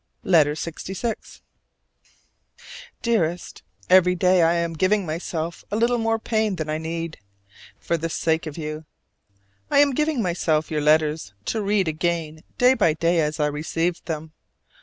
LETTER LXVI. Dearest: Every day I am giving myself a little more pain than I need for the sake of you. I am giving myself your letters to read again day by day as I received them.